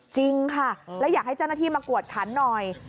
จริงค่ะแล้วอยากให้เจ้าหน้าที่มากวดขันหน่อย